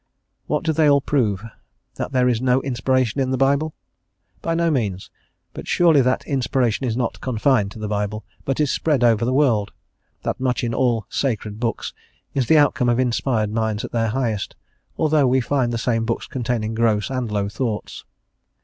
What do they all prove? That there is no inspiration in the Bible? by no means. But surely that inspiration is not confined to the Bible, but is spread over the world; that much in all "sacred books" is the outcome of inspired minds at their highest, although we find the same books containing gross and low thoughts.